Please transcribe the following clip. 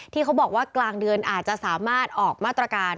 ที่เขาบอกว่ากลางเดือนอาจจะสามารถออกมาตรการ